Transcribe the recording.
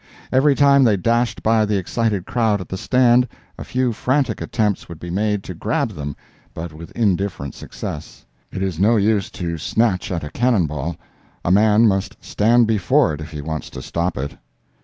Every time they dashed by the excited crowd at the stand, a few frantic attempts would be made to grab them, but with indifferent success; it is no use to snatch at a cannon ball—a man must stand before it if he wants to stop it.